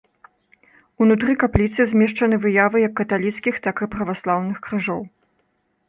Унутры капліцы змешчаны выявы як каталіцкіх, так і праваслаўных крыжоў.